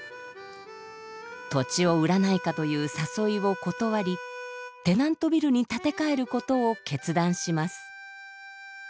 土地を売らないかという誘いを断りテナントビルに建て替えることを決断します。